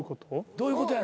どういうこと？